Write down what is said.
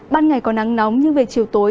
ban ngày có nắng nóng nhưng về chiều tối